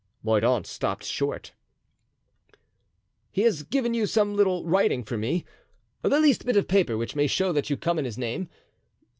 Mordaunt stopped short. "He has given you some little writing for me—the least bit of paper which may show that you come in his name.